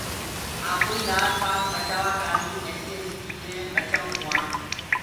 آپوئيٚ لآج بچآوآ تآڻيٚ ايسيٚ ايسيٚ چيٚجينٚ ٻچآئونٚ کُوآن۔